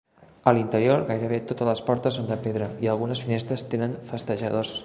A l'interior gairebé totes les portes són de pedra i algunes finestres tenen festejadors.